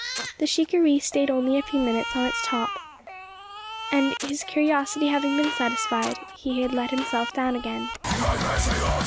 The shikaree stayed only a few minutes on its top; and his curiosity having been satisfied, he had let himself down again.